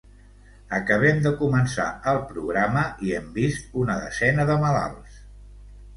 Acabem de començar el programa i hem vist una desena de malalts.